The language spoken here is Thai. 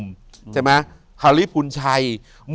อยู่ที่แม่ศรีวิรัยิลครับ